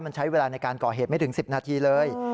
มันใช้เวลาในการก่อเหตุไม่ถึง๑๐นาทีเลย